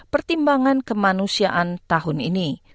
pertimbangan kemanusiaan tahun ini